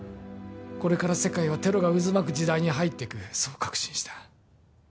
これから世界はテロが渦巻く時代に入っていくそう確信した。